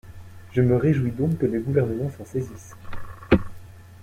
Je me réjouis donc que le Gouvernement s’en saisisse.